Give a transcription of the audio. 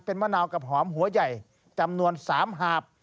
เป็นมะนาวกับหอมหัวใหญ่จำนวน๓หาบ